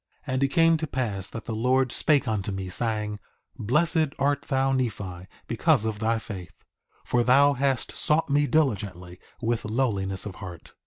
2:19 And it came to pass that the Lord spake unto me, saying: Blessed art thou, Nephi, because of thy faith, for thou hast sought me diligently, with lowliness of heart.